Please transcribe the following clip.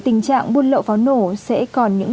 tình trạng buôn lậu pháo nổ sẽ còn